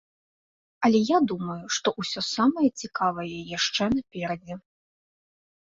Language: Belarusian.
Але я думаю, што ўсё самае цікавае яшчэ наперадзе.